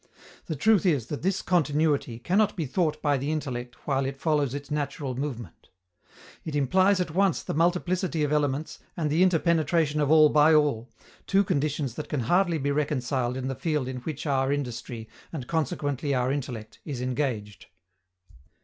The truth is that this continuity cannot be thought by the intellect while it follows its natural movement. It implies at once the multiplicity of elements and the interpenetration of all by all, two conditions that can hardly be reconciled in the field in which our industry, and consequently our intellect, is engaged.